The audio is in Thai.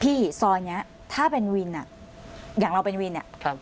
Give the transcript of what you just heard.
พี่ซอยนี้ถ้าเป็นวินนะอย่างเราเป็นวิน